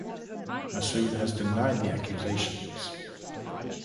Masood has denied the accusations.